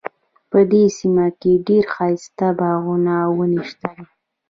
په دې سیمه کې ډیر ښایسته باغونه او ونې شته دي